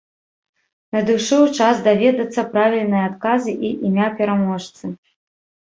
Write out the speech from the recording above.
Надышоў час даведацца правільныя адказы і імя пераможцы.